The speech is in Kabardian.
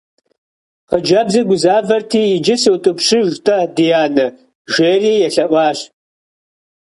Xhıcebzır guzaverti: yicı sıut'ıpşıjj - t'e, di ane, – jji'eri yêlhe'uaş.